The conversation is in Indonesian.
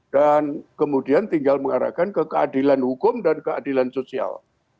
kemudian tinggal mengarahkan ke keadilan hukum dan keadilan sosial